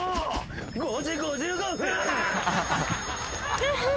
５時５５分。